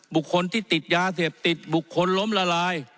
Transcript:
บุคคลที่ติดยาเสพติดบุคคลล้มละลาย